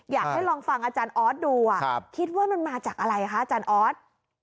อยากให้ลองฟังออ๊อตดูคิดว่ามันมาจากอะไรคะออ๊อต